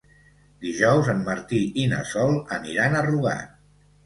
Dijous en Martí i na Sol aniran a Rugat.